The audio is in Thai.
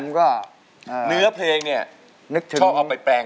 นึกวิบนึกวิบหนึ่ง